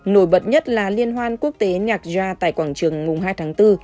nổi bật nhất là liên hoan quốc tế nhạc gia tại quảng trường mùng hai tháng bốn